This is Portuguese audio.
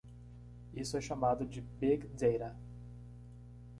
Isso é chamado de big data.